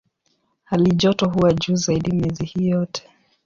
Halijoto huwa juu zaidi miezi hii yote.